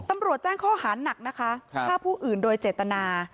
ตำรวจแจ้งข้อหานักนะคะฆ่าผู้อื่นโดยเจตนา